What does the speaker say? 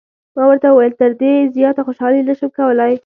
ما ورته وویل: تر دې زیاته خوشحالي نه شم کولای.